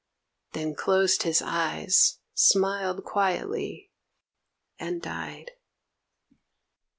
Then closed his eyes, smiled quietly, and died.